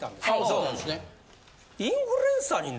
そうなんですね。